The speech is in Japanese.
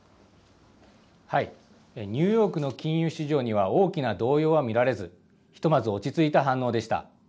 ニューヨークの金融市場には、大きな動揺は見られず、ひとまず落ち着いた反応でした。